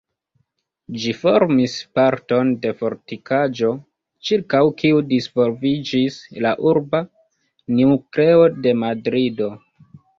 Ĝi formis parton de fortikaĵo, ĉirkaŭ kiu disvolviĝis la urba nukleo de Madrido.